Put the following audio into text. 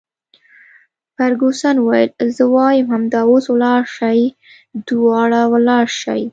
فرګوسن وویل: زه وایم همدا اوس ولاړ شئ، دواړه ولاړ شئ.